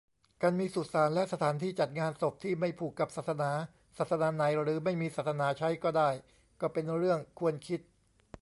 การมีสุสานและสถานที่จัดงานศพ ที่ไม่ผูกกับศาสนา ศาสนาไหนหรือไม่มีศาสนาใช้ก็ได้ ก็เป็นเรื่องควรคิด